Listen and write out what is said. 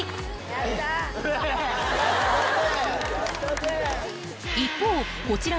やったぜ！